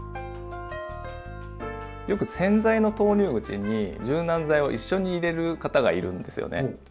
よく洗剤の投入口に柔軟剤を一緒に入れる方がいるんですよね。